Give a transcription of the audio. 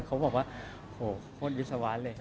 เขาบอกว่าโอ้โฮโคตรวิสาวาสเลย